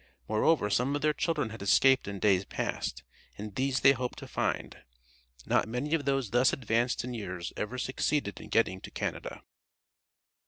Moreover some of their children had escaped in days past, and these they hoped to find. Not many of those thus advanced in years ever succeeded in getting to Canada.